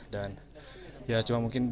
dan ya cuma mungkin di